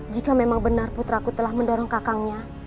jika memang benar putraku telah mendorong kakangnya